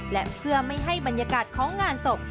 และเพื่อไม่ให้บรรยากาศของงานศพ